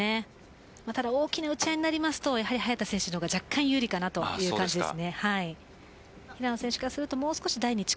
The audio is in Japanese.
ただ大きな打ち合いになると早田選手の方が若干有利かなという感じです。